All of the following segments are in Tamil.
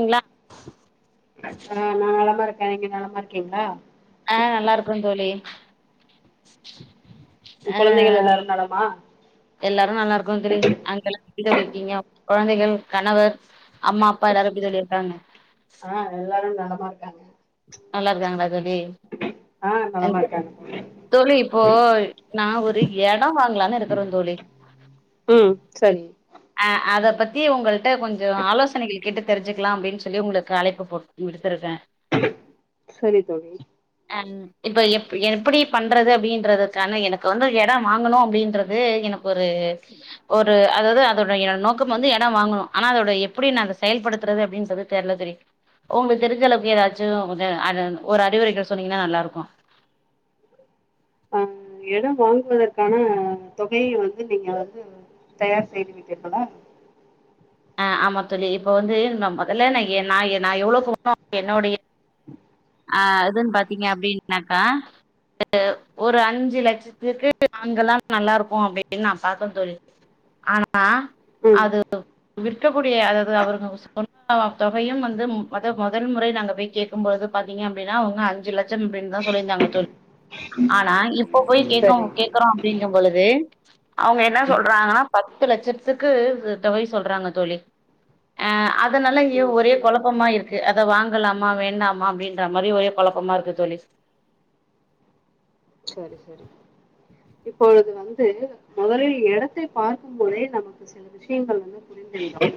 ங்களா ஆஹ் நா நலமா இருக் நீங்க நலமா இருக்கீங்ளா அஹ் நல்லா இருக்கும் தோழி [inaudible] உங்க குழந்தைகள் அஹ் எல்லாரு நலமா எல்லாரும் நல்லா இருக்கோ தோழி அங்கெல்லா எப்டி தோழி இருக்கீங்க ககொழந்தைகள் கணவர் அம்மா அப்பா எல்லாரும் எப்டி தோழி இருக்காங்க ஆஹ் எல்லாரும் நலம் மாருக்காங்க நல்லா இருக்காங்களா தோழி ஆ நலமா இருக்காங்க [inaudible] தோழி இப்போ நா ஒரு எடம் வாங்கலான்னு இருக்குற தோழி ம் சரி அஹ் அத பத்தி உங்கள்ட்ட கொஞ்சம் ஆலோசனைகள் கேட்டு தெரிஞ்சுக்கலா அப்டின்னு சொல்லி உங்களுக்கு அழைப்பு போட் விடுத்துருக்கே சரி தோழி ம் இப்ப எப்- எப்புடி பண்றது அப்டின் ண்றதுக்கான எனக்கு வந்து எ எடம் வாங்கணு அப்டின்றது எனக்கு ஒரு ஒரு அதாவ்து அதோட நோக்கம் வந்து எடம் வாங்கணு ஆனா அதோட எப்டி நா அத செயல்படுத்துறது அப்டி சொல்லி தெர்ல தோழி உங்களுக்கு தெரிஞ்சளவுக்கு ஏதாச்சு கொஞ்ச [unintelligible] ஒரு அறிவுரைகள் சொன்னீங்கன்னா நல்லா இருக்கு ஆஹ் எடம் வாங்குவதற்கான தொகைய வந்து நீங்க வந்து தயார் செய்து விட்டீர்களா ஆ ஆமா தோழி இப்ப வந்து நா மொதல்லே நா நா எவ்ளோ [unintelligible] என்னோடைய ஆ எதுன்னு பாத்தீங்க அப்டின்னாக்கா ஒரு அஞ்சு லட்சத்துக்கு வாங்கனா நல்லாருக்கு அப்டின் நா பாத்த தோழி ஆனா ஆ ம் அது விற்கக்கூடிய அதாவது அவரு ங்க சொன்ன தொகையும் வந்து மொத மொதல் முறை நாங்க போய் கேக்கும்பொழுது பாத்திங்க அப்டினா இன்னு அஞ்சு லட்ச [unintelligible] அப்டின்தா சொல்லிருந்தாங்க தோழி ஆனா இப்ப போய் சரி கேக்கறோ அப்டிங்க பொழுது அவங்க என்ன சொல்றாங்கனா பத்து லட்சத்துக்கு தொகை சொல்றாங்க தோழி ஆ அதனால [unintelligible] ம் ஒரே ம் கொழப்பமா இருக்கு [unintelligible] அதை வாங்கலாமா வேண்டாமா அப்டின் [unintelligible] மாரி ஒரே கொழப்பமா இருக்கு தோழி செரி செரி இப்பொழுது வந்து மொதலில் எடத்தை பார்க்குபோதே நமக்கு சில விஷயங்கள் வந்து புரிந்து விடு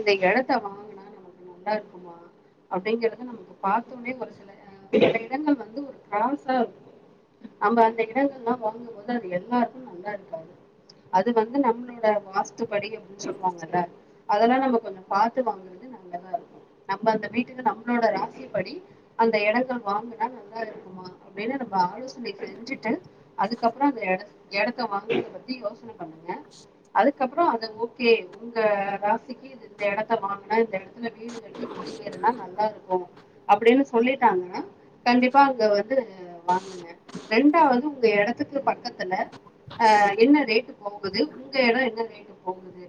இந்த எடத்த வாங்கினா நமக்கு நல்லாருக்குமா அப்டிங்கறத நமக்கு பாத்தோனே ஒரு சில சில இடங்கள் வந்து ஒரு கிராஸா இருக்கு நம்ப அந்த எடங்கள்லா வாங்கும்போது அது எல்லாருக்கு நல்லாருக்காது அது வந்து நம்ளோட வாஸ்துபடி அப்டினு சொல்லுவாங்கல்ல அதெல்லா நம்ம கொஞ்ச பாத்து வாங்குறது நல்லதாருக்கு நம்ம அந்த வீட்டுக்கு நம்ளோட ராசிப்படி அந்த எடங்கள் வாங்குனா நல்லாருக்குமா அப்டினு நம்ம ஆலோசி [unintelligible] இப்டி செஞ்சிட்டு அதுக்கப்புற அந்த எட எடத்த வாங்கறத பத்தி யோசன பண்ணுங்க அதுக்கப்புற அது ஓகே உங்க ராசிக்கு இந்த எடத்த வாங்குனா இந்த எடத்துல வீடு கட்டி குடியேரூனா நல்லாருக்கு அப்டினு சொல்லிட்டாங்கனா கண்டிப்பா அங்க வந்து வாங்குங்க ரெண்டாவது உங்க எடத்துக்கு பக்கத்துல ஆ என்ன ரேட் போகுது உங்க எடொ என்ன ரேட் போகுது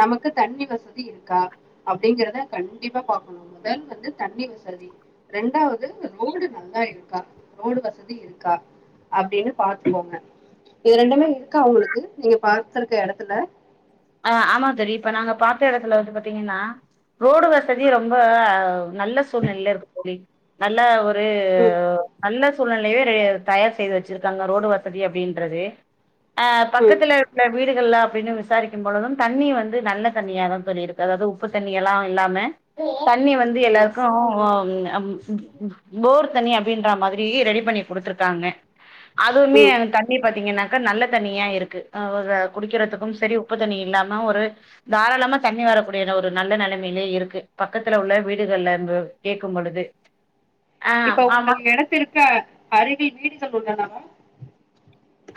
நமக்கு தண்ணி வசதி இருக்கா அப்டிங்கறத கண்டிப்பா பாக்கணு முதல வந்து தண்ணி வசதி ரெண்டாவது ரோடு நல்லா இருக்கா ரோடு வசதி இருக்கு இருக்கா அப்டினு பாத்துக்கோங்க இது ரெண்டுமே இருக்கா உங்களுக்கு நீங்க பாத்துருக்க எடத்துல ஆ ஆமா தோழி இப்ப நாங்க பாத்த எடத்துல வந்து பாத்தீங்கன்னா ரோடு வசதி ரொம்ப நல்ல சூழ்நிலைல இருக்கு தோழி நல்ல ஒரு ம், வந்து நல்ல சூழ்நிலையவே ரெ தயார் செய்து வச்சிருக்காங்க ரோடு வசதி அப்டின்றது ஆ ம், பக்கத்துல இருக்குற வீடு இதுக்ல்லா அப்டின்னு விசாரிக் க்கும் பொழுதும் தண்ணி வந்து நல்ல தண்ணியா தா தோழி இருக்கு அதாவது உப்பு தண்ணி எல்லா இல்லாம தண்ணி வந்து ம், எல்லாருக்கு ஆ ம் அம் ம் ம் போர் தண்ணி அப்டின்ற மாதிரி ரெடி பண்ணி குடுத்துருக்காங்க அதுவுமே ம். எனக்கு தண்ணி பாத்தீங்கன்னாக் அங்க நல்ல தண்ணியா இருக்கு அவுக குடிக்கிறதுக்கும் சரி உப்பு தண்ணி இல்லாம ஒரு தாராளமா தண்ணி வரக்கூடியான ஒரு நல்ல நெலமையிலே இருக்கு பக்கத்துல உள்ள வீடுகள்ல கேக்கும் பொழுது ஆ இப்ப ஆமா உங்கள் எடத்திற்கு அருகில் வீடுகள் உள்ளனவா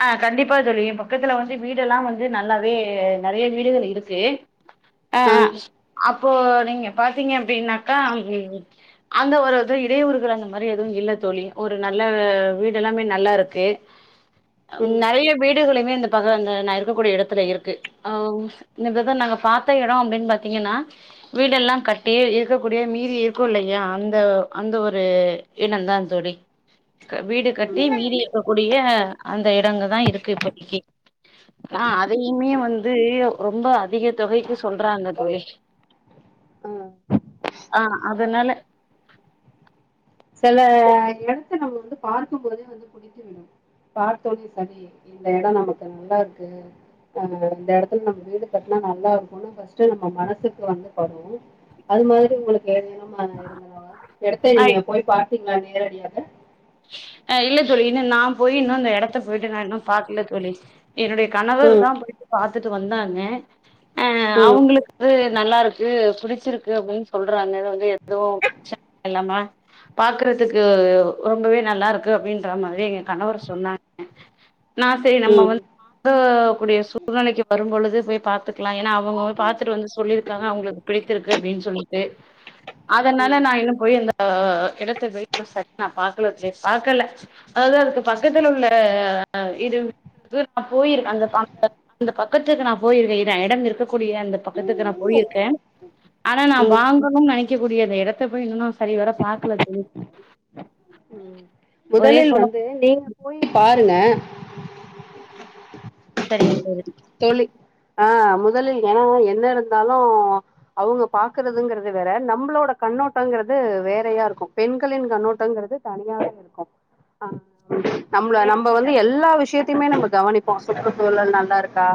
ஆ கண்டிப்பா தோழி ஏ பக்கத்துல வந்து வீடெல்லா வந்து நல்லாவே நெறைய வீடுகள் இருக்கு ஆ ஆ அப் இப்போ நீங்க பாத்தீங்க அப்டின்னாக்கா அந்த ஒரு இது இடையூறுகள் அந்த மாரி எதுவு இல்ல தோழி ஒரு நல்ல வீடு எல்லாமே நல்லாருக்கு ம், நெறைய வீடுகளுமே இந்த பகோ அந்த நா இருக்கக்கூடிய எடத்துல இருக்கு அ இந்த நாங்க பாத்த எடோ அப்டின்னு பாத்தீங்கன்னா வீடெல்லாம் கட்டி இருக்கக்கூடிய மீதி இருக்கு இல்லையா அந்த அந்த ஒரு எடந்தா தோழி வீடு ம், கட்டி மீதி இருக்கக்கூடிய அந்த இடங்க தா இருக்கு இப்போதக்கி நா அதயுமே வந்து ரொம்ப அதிக தொகைக்கு சொல்றாங்க தோழி ஆ. ஆ அதனால செல இடத்த நம்ம வந்து பார்க்கும் போதே வந்து பிடித்து விடும் பாத்தோனே சரி இந்த எடம் நமக்கு நல்லா இருக்கு ஆ இந்த இடத்துல நம்ம வீடு கட்டுனா நல்லா இருக்குன்னு ஃபர்ஸ்ட்டே நம்ம மனசுக்கு வந்து படு அது மாரி உங்களுக்கு ஏதனமா [unintelligible] இருந்தாவா எடத்த நீங்க எப் பாத்தீங்களா நேரடியாக அ இல்ல தோழி இன்னு நா போய் இன்னும் இந்த இடத்த போயிட்டு நா இன்னு பாக்ல தோழி. என்னுடைய கணவர் ம் தா போயிட்டு பாத்து பாத்துட்டு வந்தாங்க. அ ம் அவங்ளுக்கு நல்லாருக்கு புடிச்சிருக்கு அப்படின்னு சொல்றாங்க வந்து எதுவும் பிரச்சன இல்லாம பாக்குறதுக்கு ரொம்பவே நல்லாருக்கு அப்படின்ற மாரி எங்க கணவர் சொன்னாங்க. நா சரி நம்ம ம் வந்து வாங்க கூடிய சூழ்நிலைக்கி வரும் பொழுது போய் பாத்துக்கலாம் ஏனா அவ அவங்க பாத்துட்டு வந்து சொல்லியிருக்காங்க அவங்ளுக்கு பிடித்திருக்கு அப்டின்னு சொல்லி சே அதனால நா இன்னும் போய் அந்த இடத்த போய் இன்னு சரியா நான் பாக்கலே, பாக்கல்ல அதாவது அதுக்கு பக்கத்து உள்ள அ இது வீட்டு [inaudible] நான் போயிருக் அந்த அந்த பக் பக்கத்துக்கு நா போயிருக்கே இதான் இடம் இருக்கு கூடிய அந்த பக்கத்துக்கு நா ம் போயிருக்கே, ஆனா நான் ம் வாங்கணும்னு நினைக்க விக்கக்கூடிய அந்த இடத்த போய் இன்னும் சரி வர பாக்கல தோழி. ம் ஒரே முதலில் கொழ வந்து நீங்க போய் பாருங்க. சரிங்க தோழி தோழி ஆ முதலில் ஏன்னா என்ன இருந்தாலும் அவங்க பாக்குறதுங்கறது வேற, நம்பளோட கண்ணோட்டங்கிறது வேறையா இருக்கும், பெண்களின் கண்ணோட்டங்கிறது தனியாவே இருக்கும், ஆ நம்மள நம்ப வந்து எல்லா விஷயத்தையுமே நம்ம கவனிப்போ சுற்று சூழல் நல்லா இருக்கா,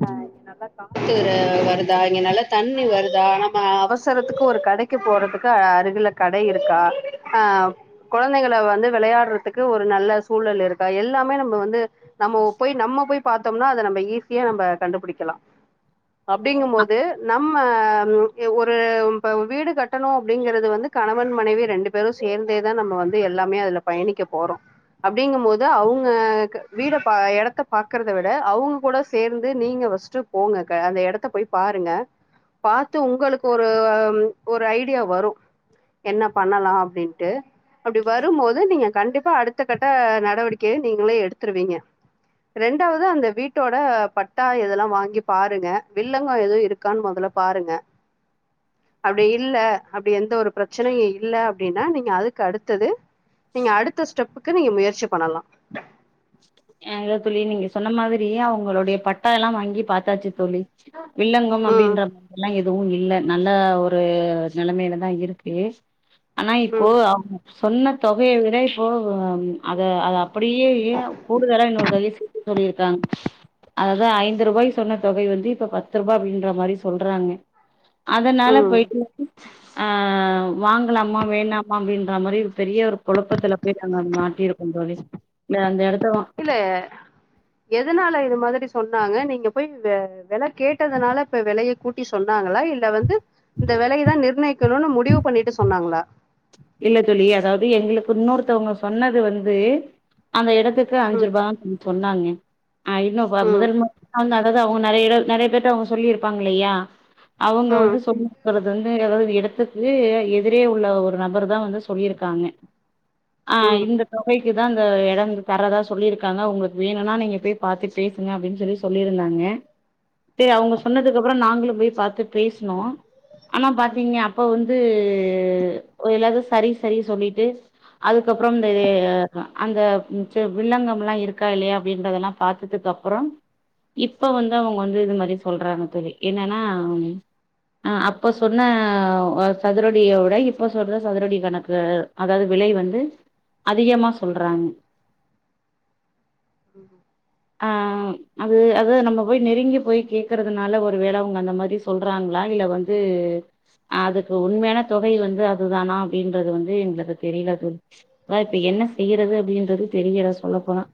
ஆ இங்க நல்லா காத்து வருதா, இங்க நல்லா தண்ணி வருதா, நம்ம அவசரத்துக்கு ஒரு கடைக்கு போறதுக்கு அருகில கடை இருக்கா ஆ கொழந்தைகல வந்து விளையாடுறது துக்கு ஒரு நல்ல சூழல் இருக்கா எல்லாமே நம்ப வந்து நம்மோ போய் நம்ம போய் பாத்தோம்னா அத நம்ப ஈஸியா நம்ப கண்டுபிடிக்கலா. அப்டிங்கம் மோது நம் நம்ம ஒரு இப்ப வீடு கட்டணு அப்படிங்கறது வந்து கணவன், மனைவி ரெண்டு பேரும் சேர்ந்தேதான் நம்ம வந்து எல்லாமே அதுல பயணிக்க போறோம், அப்டிங்கம் போது அவங்க வீட பாத் எடத்த பாக் பாக்கறத விட, அவங்க கூட சேர்ந்து நீங்க ஃபஸ்ட் போங்க கா அந்த இடத்த போய் பாருங்க பாத்து உங்களுக்கு ஒரு ஒரு ஐடியா வரும் என்ன பண்ணலாம் அப்டின்ட்டு, அப்படி வரும்போது நீங்க கண்டிப்பா அடுத்த கட்ட நடவடிக்கைய நீங்களே எடுத்துருவீங்க. ரெண்டாவது அந்த வீட்டோட பட்டா இதெல்லாம் வாங்கி பாருங்க, வில்லங்கம் எதுவும் இருக்கான்னு முதல்ல பாருங்க, அப்படி இல்ல அப்படி எந்த ஒரு பிரச்சனை இல்ல அப்படின்னா நீங்க அதுக்கு அடுத்தது நீங்க அடுத்த ஸ்டெப்புக்கு க்கு நீங்க முயற்சி பண்ணலா. ஏ எப் தோழி நீங்க சொன்ன மாதிரி தோழி அவங்களொடைய பட்டா எல்லாம் வாங்கி பாத்தாச்சு தோழி. வில்ங்கம் ம் அப்படின்ற எல்லாம் யே றோம் இல்ல நல்ல ஒரு நெலைமையிலதான் இருக்கு ஆனால் இப்போ ம் அவ சொன்ன தொகைய விட இப்போஒ அது அது அப்படியே யே கூடுதலா இன்னொரு தொகை சேர்த்து சொல்லிருக்காங்க அதாவது ஐந்து ரூபாய் சொன்ன தொகை வந்து இப்ப பத்து ரூபா அப்டின்ற மாதிரி சொல்றாங்க அதனால ம் போய்ட்டு போய்ட்டு ஆஹ் வாங்கலாமா வேனாமா அப்டின்ற மாரி பெரிய ஒரு குழப்பத்துல போய் நாங்க மாட்டியிருக்கோம் தோழி அந்த எடத்த வா இல்ல எதனால இது மாதிரி சொன்னாங்க நீங்க போய் வ வெலை கேட்டதுனால இப்ப வெலையை கூட்டி சொன்னாங்களா இல்ல வந்து இந்த விலையைதான் நிர்ணயிக்கணும்னு முடிவு பண்ணிட்டு சொன்னாங்களா இல்ல தோழி அதாவது எங்களுக்கு இன்னொருத்தவங்க சொன்னது வந்து அந்த இடத க்கு அஞ்சு ம் ரூபா சொன்னன் நாங்க ஐனோ [unintelligible] ம் முதல் மு அதாவது அவங்க நெறைய இட நெறைய பேர் அவங்க சொல்லியிருப்பாங்க இல்லையா அவுங்க ம் வந்து சொ [unintelligible] வந்து அதாவது இடத்துக்கு எதிரே உள்ள ஒரு நபருக்கு தா வந்து சொல்லியிருக்காங்க ஆஹ் ம் இந்த தொகை இதா அந்த இடம் தறதா சொல்லிருக்காங்க உங்களுக்கு வேணும்னா நீங்க பெய் பாத்து பேசுங்க அப்படின்னு சொல்லி சொல்லிருந்தாங்க சரி அவுங்க சொன்னதுக்கு அப்புறம் நாங்களும் போய் பாத்து பேசனோம் ஆனா பாத்தீங்க அப்ப வந்து எ எல்லாரு சரி சரி சொல்லிட்டு அதுக்கப்றம் இந்த அந்த ச வில்லங்கம்லாம் இருக்கா இல்லையா அப்படின்றதெல்லாம் பாத்ததுக்கு அப்புறம் இப்ப வந்து அவுங்க வந்து இது மாரி சொல்றாங்க தோழி என்னன்னா அப்பா சொன்ன சதுரடிய விட இப்ப சொல்ற சதுரடி கணக்கு அதாவது விலை வந்து அதிகமா சொல்றாங்க ம் ஆஹ் அது அதது நம்ம போய் நெருங்கி போய் கேகறதுனால ஒரு வேளை அவங்க அந்த மாரி சொல்றாங்களா இல்ல வந்து அதுக்கு உண்மையான தொகை வந்து அதுதானா அப்டின்றது வந்து எங்களுக்கு தெரியல தோழி அ இப்ப என்ன செய்யறது அப்டின்றது தெரியல சொல்ல போனா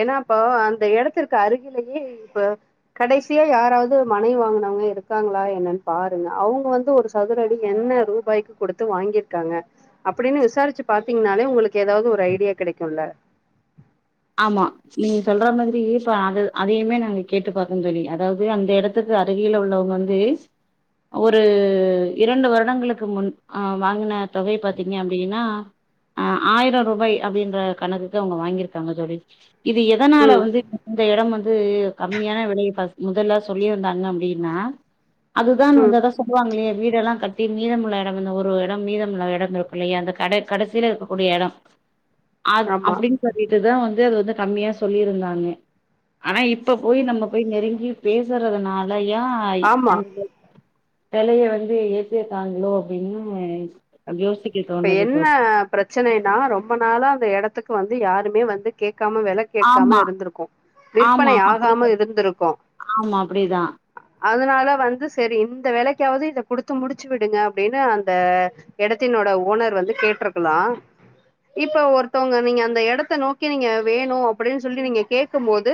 ஏனாப்போ அந்த இடத்த இருக்கு அருகிலேயே இப்ப கடைசியா யாராவது மனை வாங்கனவங்க இருக்காங்களா என்னன்னு பாருங்க அவுங்க வந்து ஒரு சதுரடி என்ன ரூபாய்க்கு கொடுத்து வாங்கிருக்காங்க அப்டின்னு விசாரிச்சு பாத்தீங்கன்னாலே உங்களுக்கு ஏதாவது ஒரு ஐடியா கிடைக்கும்ல ஆமா நீங்க சொல்ற மாரி மே இப்ப அத அதையுமே நாங்க கேட்டு பாக்கொ சொல்லி அதாவது அந்த இடத்துக்கு அருகில உள்ளவங்க வந்து ஒரு இரண்டு வருடங்களுக்கு முன் அ வாங்குன தொகை பாத்தீங்கனா அப்டின்னா அஹ் ஆயிரம் ரூபாய் அப்டின்ற கணக்குக்கு அவங்க வாங்கிருக் காங்க தோழி இது எதனால ம் வந்து இந்த இடம் வந் து கம்மியான விலையை முதலா சொல்லிருந்தாங்க அப்டின்னா அதுதான் வந்து ம் அதான் சொல்லுவாங்களே வீடெல்லாம் கட்டி மீதமுள்ள இடம் இந்த ஒரு இடம் மீதம் உள்ள இடம் இருக்கும் இல்லையா அந்த கட கடைசியில இருக்கக்கூடிய இடம் அ ஆமா அப்புடின் சொல் வந்து அது வந்து கம்மியா சொல்லிருந்தாங்கே ஆனா இப்ப போய் நம்ம போய் நெருங்கி பேசுறதுனால் லையாய் ஆமா [unintelligible] வெலைய வந்து ஏத்திட்டாங்களோ அப்டீன்னு இப்ப என்ன ப்ரச்சனைன்னா ரொம்ப நாளா அந்த எடத்துக் கு வந்து யாருமே வந்து கேக் கம்மி வெல கேக்காம ஆமா இருந்திருக்கோ ஆமா விற்பனை ஆகாம அப்டிதான் இருந்துருக்கோ ஆமா அப்டிதான் அதனால வந்து செரி இந்த வெலைக்காவது இத குடுத்து முடுச்சு விடுங்க அப்டீன்னு அந்த எடத்தினோட ஓனர் வந்து கேட்ருக்கலா இப்ப ஒருத்தவுங்க நீங்க அந்த எடத்த நோக்கி நீங்க வேணு‌ அப்புடின் சொல்லி நீங்க கேட்க்கும் போது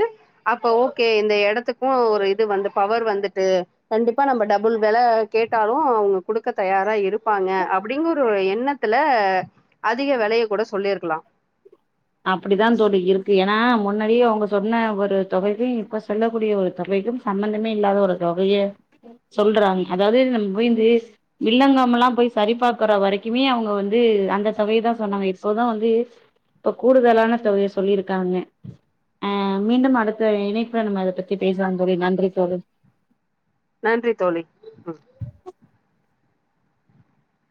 அப்ப ஓகே இந்த எடத்துக்கு ஒரு இது வந்து பவர் வந்துட்டு கண்டிப்பா நம்ப டபுள் வெல கேட்டாலு அவுங்க குடுக்க தயாரா இருப் பாங்க அப் னொரு எண்ணத்துல அதிக வெலைய கூட சொல்லியிருக்கலா அப்புடிதா தோழி இருக்கு ஏனா முன்னாடியே அவுங்க சொன்ன ஒரு தொகைக்கு இப்ப சொல்லக்கூடிய ஒரு தொகைக்கும் சம்மந்தமே இல்லாத ஒரு தொகையே சொல்றாங் அதாவுது நம் மொய்ந்து வில்லங்கம்ல்லா போய் சரிபாக்குற வரைக்குமே அவுங்க வந்து அந்த தொகையதா சொன்னாங்க இப்போதா வந்து ப கூடுதலான தொகைய சொல்லியிருக்காங்க அ மீண்டும் அடுத்த இணைப்புல நம்ம அத பத்தி பேசலா தோழி நன்றி தோழி நன்றி தோழி ம்